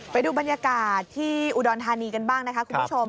ไปดูบรรยากาศที่อุดรธานีกันบ้างนะคะคุณผู้ชม